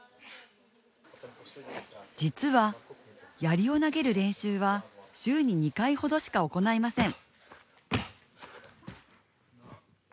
実は、やりを投げる練習は週に２回ほどしか行いません。